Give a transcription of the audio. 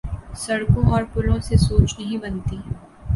سڑکوں اور پلوں سے سوچ نہیں بنتی۔